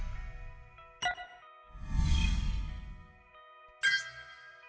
hãy đăng ký kênh để ủng hộ kênh của mình nhé